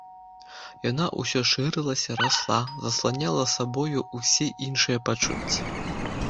Яна ўсё шырылася, расла, засланяла сабою ўсе іншыя пачуцці.